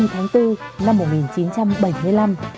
hai mươi tháng bốn năm một nghìn chín trăm bảy mươi năm